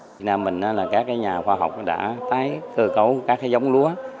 việt nam mình là các nhà khoa học đã tái cơ cấu các cái giống lúa